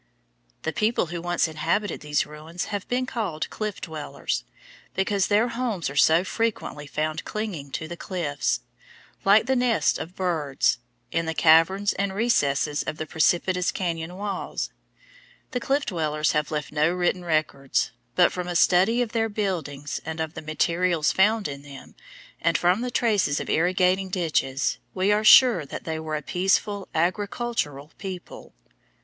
The people who once inhabited these ruins have been called Cliff Dwellers, because their homes are so frequently found clinging to the cliffs, like the nests of birds, in the caverns and recesses of the precipitous cañon walls. The Cliff Dwellers have left no written records, but from a study of their buildings and of the materials found in them, and from the traces of irrigating ditches, we are sure that they were a peaceful, agricultural people.